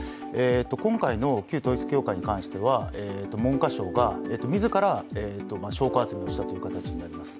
今回の旧統一教会に関しては、文科省が自ら証拠集めをしたということ。